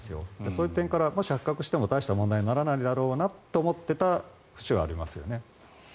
そういう点から、もし発覚しても大した問題にならないだろうなと思っていた節はありますよね。